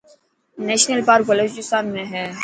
نيشنل پارڪ بلوچستان ۾ هي.